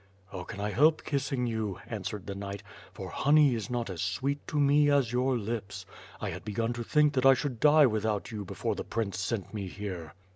"How can I help kissing you," answered the knight, "for honey is not as sweet to me as your lips. I had begun to think that I should die without you before the prince sent me here."